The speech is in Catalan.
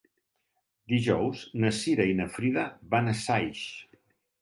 Dijous na Cira i na Frida van a Saix.